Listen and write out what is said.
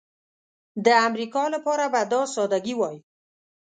د امریکا لپاره به دا سادګي وای.